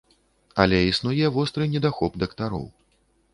Але існуе востры недахоп дактароў.